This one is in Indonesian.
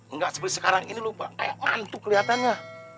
nggak seperti sekarang ini lu kayak ngantuk kelihatannya